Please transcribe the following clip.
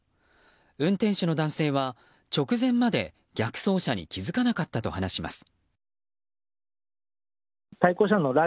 運転手の男性は直前まで逆走車に気付かなかったと話します。